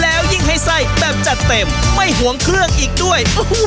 แล้วยิ่งให้ไส้แบบจัดเต็มไม่ห่วงเครื่องอีกด้วย